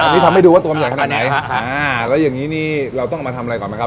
อันนี้ทำให้ดูว่าตัวมันใหญ่ขนาดไหนฮะอ่าแล้วอย่างงี้นี่เราต้องเอามาทำอะไรก่อนไหมครับ